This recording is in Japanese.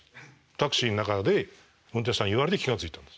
タクシーの中で運転手さんに言われて気が付いたんです。